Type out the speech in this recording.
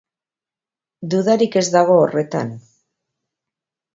Dudarik ez dago horretan.